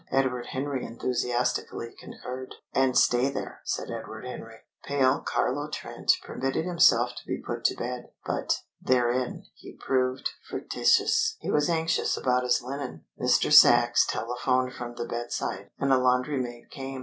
Edward Henry enthusiastically concurred. "And stay there!" said Edward Henry. Pale Carlo Trent permitted himself to be put to bed. But, therein, he proved fractious. He was anxious about his linen. Mr. Sachs telephoned from the bedside, and a laundry maid came.